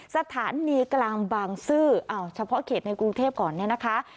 สถานีกลางบางซื่อเฉพาะเขตในกรุงเทพก่อนเนี่ยนะคะ